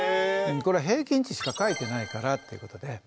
これは平均値しか書いてないからっていうことで。